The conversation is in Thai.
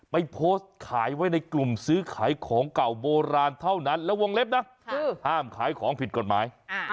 ไปโพสต์ขายไว้ในกลุ่มซื้อขายของเก่าโบราณเท่านั้นแล้ววงเล็บนะห้ามขายของผิดกฎหมาย